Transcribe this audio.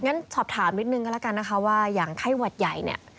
งั้นสอบถามนิดนึงก็แล้วกันนะคะว่าอย่างไข้หวัดใหญ่เนี่ย